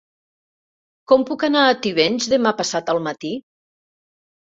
Com puc anar a Tivenys demà passat al matí?